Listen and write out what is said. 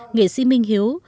nghệ sĩ minh hiếu